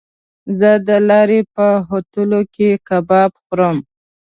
زه د لارې په هوټلو کې کباب خورم.